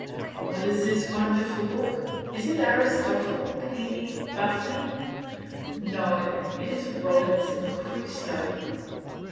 What is this wonderful book? Is it Aristotle? Pliny? Buffon? No; it is Robinson Crusoe.